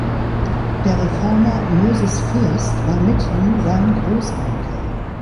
Der Reformer Moses Fürst war mithin sein Großonkel.